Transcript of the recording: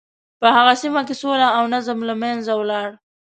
په هغه سیمه کې سوله او نظم له منځه ولاړ.